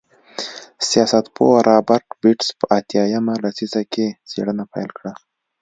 سیاستپوه رابرټ بېټس په اتیا مه لسیزه کې څېړنه پیل کړه.